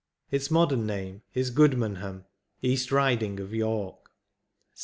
Its modem name is Qoodmanham, East Riding of York.